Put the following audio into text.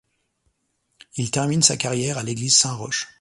Il termine sa carrière à l'église Saint-Roch.